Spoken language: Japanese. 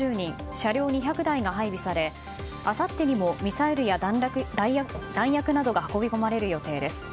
車両２００台が配備されあさってにもミサイルや弾薬などが運び込まれる予定です。